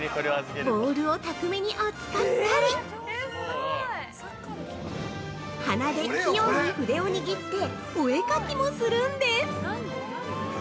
◆ボールを巧みに扱ったり鼻で器用に筆を握ってお絵描きもするんです！